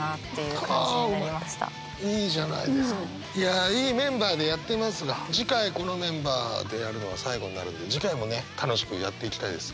いやいいメンバーでやってますが次回このメンバーでやるのは最後になるんで次回もね楽しくやっていきたいです。